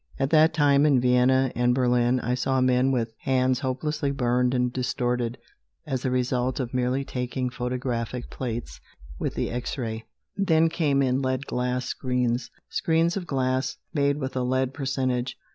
At that time, in Vienna and Berlin, I saw men with hands hopelessly burned and distorted as the result of merely taking photographic plates with the X ray. Then came in lead glass screens screens of glass made with a lead percentage.